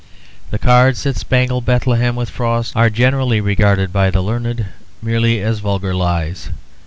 The cards that spangle Bethlehem with frost are generally regarded by the learned merely as vulgar lies.